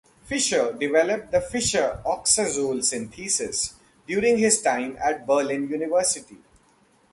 Fischer developed the Fischer oxazole synthesis during his time at Berlin University.